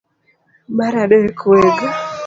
Mar adek, weg